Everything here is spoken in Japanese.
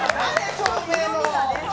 照明の。